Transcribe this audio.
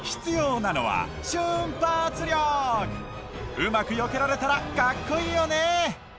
うまくよけられたらかっこいいよね！